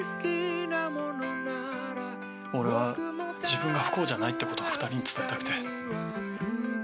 俺は自分が不幸じゃないってことを２人に伝えたくて。